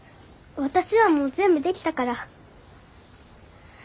私はもう全部できたから。